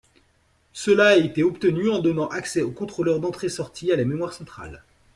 Cela a été obtenu en donnant accès aux contrôleurs d'entrée-sortie à la mémoire centrale.